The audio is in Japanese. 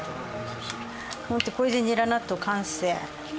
これでニラ納豆完成。